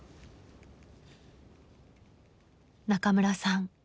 中村さん